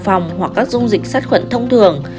phòng hoặc các dung dịch sát khuẩn thông thường